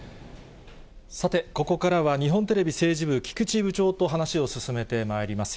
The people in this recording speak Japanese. さて、ここからは日本テレビ政治部、菊池部長と話を進めてまいります。